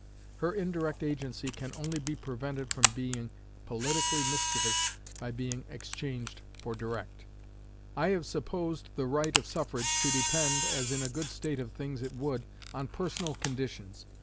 Her indirect agency can only be prevented from being politically mischievous by being exchanged for direct. I have supposed the right of suffrage to depend, as in a good state of things it would, on personal conditions.